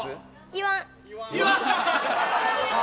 言わん！